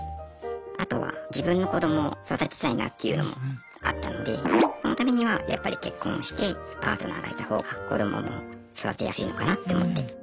あとは自分の子供を育てたいなっていうのもあったのでそのためにはやっぱり結婚してパートナーがいた方が子どもも育てやすいのかなって思って。